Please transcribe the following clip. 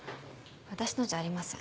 私のじゃありません。